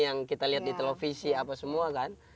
yang kita lihat di televisi apa semua kan